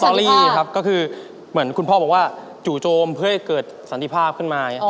อรี่ครับก็คือเหมือนคุณพ่อบอกว่าจู่โจมเพื่อให้เกิดสันติภาพขึ้นมา